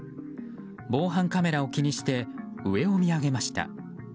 防犯カメラを気にして上を見上げました。